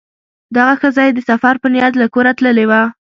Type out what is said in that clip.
دغه ښځه یې د سفر په نیت له کوره تللې وه.